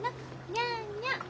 にゃんにゃん！